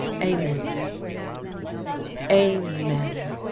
Amen." Amen!